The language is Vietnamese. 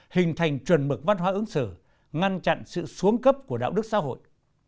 hình thành chuẩn mực văn hóa ứng xử ngăn chặn sự xuống cấp của đạo đức xã hội